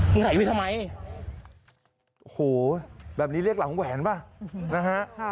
มึงถ่ายไปทำไมเนี่ยโอ้โหแบบนี้เรียกหลังของแหวนป่ะนะฮะค่ะ